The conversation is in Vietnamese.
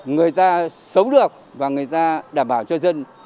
người ta sống được và người ta đảm bảo cho dân